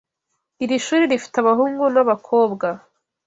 Iri shuri rifite abahungu nabakobwa .